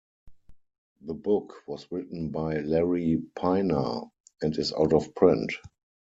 The book was written by Larry Pina and is out of print.